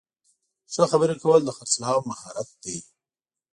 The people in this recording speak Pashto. ښه خبرې کول د خرڅلاو مهارت دی.